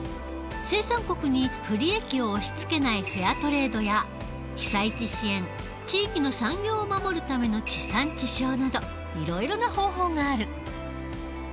生産国に不利益を押しつけないフェアトレードや被災地支援地域の産業を守るための地産地消などいろいろな方法がある。